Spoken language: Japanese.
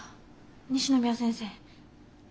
西宮先生。